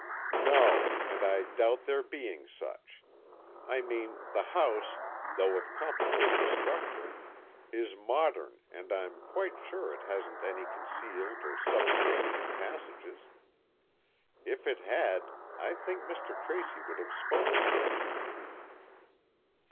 "No, and I doubt there being such. I mean, the house, though of complicated structure, is modern and I'm quite sure it hasn't any concealed or subterranean passages. If it had, I think Mr. Tracy would have spoken of them to me."